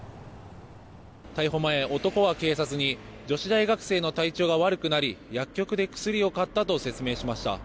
逮捕前、男は警察に女子大学生の体調が悪くなり薬局で薬を買ったと説明しました。